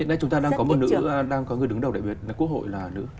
hiện nay chúng ta đang có một nữ đang có người đứng đầu đại biểu quốc hội là nữ